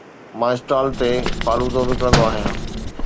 مان اسٽال تي فالودا وڪڻندو آهيان